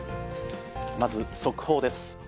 まず速報です。